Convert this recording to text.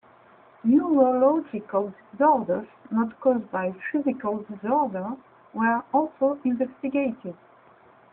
Neurological disorders not caused by physical disorder were also investigated.